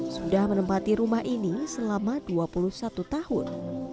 sudah menempati rumah ini selama dua puluh satu tahun